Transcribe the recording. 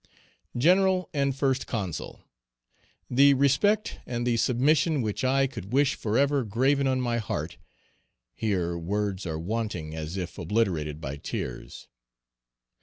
"GENERAL, AND FIRST CONSUL, "The respect and the submission which I could wish forever graven on my heart [here words are wanting as if obliterated by tears].